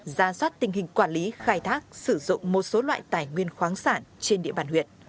ra soát tình hình quản lý khai thác sử dụng một số loại tài nguyên khoáng sản trên địa bàn huyện